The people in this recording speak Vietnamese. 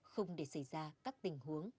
không để xảy ra các tình huống